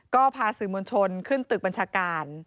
ก็พาสื่อมวลชนขึ้นตึกบัญชาการ